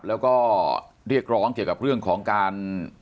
แล้วก็เรียกร้องเกี่ยวกับเรื่องของการ